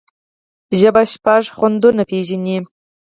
ژبه شپږ خوندونه پېژني.